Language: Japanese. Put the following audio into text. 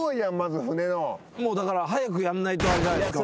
だから早くやんないとあれじゃないっすか。